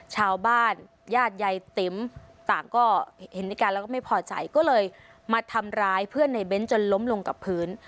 ญาติยายติ๋มต่างก็เห็นในการแล้วก็ไม่พอใจก็เลยมาทำร้ายเพื่อนในเบ้นจนล้มลงกับพื้น